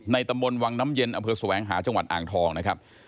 ในตะมนต์วังน้ำเย็นอเมืองสุแวงหาจังหวัดอ่างทองนะครับ